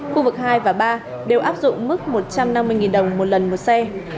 khu vực hai và ba đều áp dụng mức một trăm năm mươi đồng một lần một xe